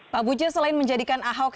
pak buce selain menjadikan ahok